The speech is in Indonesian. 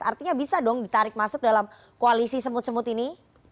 artinya bisa dong ditarik masuk dalam koalisi semut semut ini